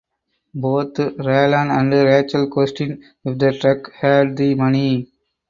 Both Raylan and Rachel question if the truck had the money.